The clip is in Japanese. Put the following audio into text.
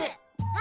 あ！